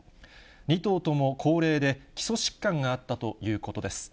２頭とも高齢で、基礎疾患があったということです。